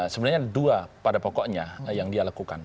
sebenarnya ada dua pada pokoknya yang dia lakukan